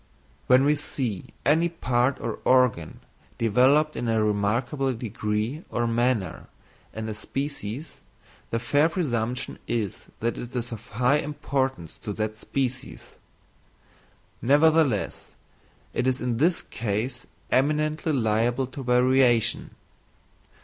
When we see any part or organ developed in a remarkable degree or manner in a species, the fair presumption is that it is of high importance to that species: nevertheless it is in this case eminently liable to variation.